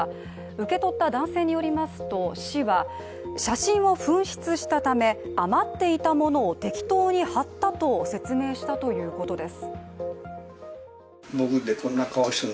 受け取った男性によりますと、市は写真を紛失したため、余っていたものを適当に貼ったと説明したということです。